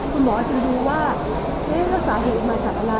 คุณหมอจึงดูว่าเอ๊ะแล้วสาเหตุมาจากอะไร